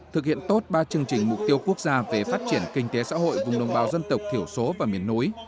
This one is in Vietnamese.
thực hiện tốt ba chương trình mục tiêu quốc gia về phát triển kinh tế xã hội vùng đồng bào dân tộc thiểu số và miền núi